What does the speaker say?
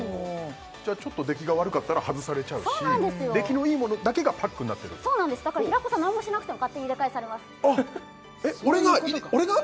じゃあちょっと出来が悪かったら外されちゃうし出来のいいものだけがパックになってるそうなんですだから平子さん何もしなくても勝手に入れ替えされますえっ俺が？